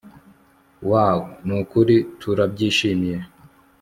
wooooww nukuri turabyishimiye